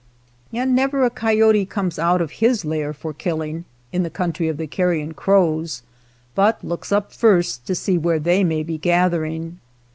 And never a coyote comes out of his lair for killing, in the country of the car rion crows, but looks up first to see where they may be gathering.